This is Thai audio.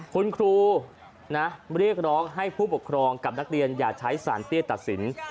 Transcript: คุณครูเรียกร้องให้ผู้ปกครองกับนักเรียนอย่าใช้สารเตี้ยตัดสิน